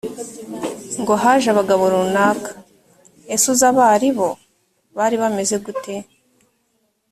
ngohaje abagabo runaka. ese uzi abo ari bo ? bari bamezegute?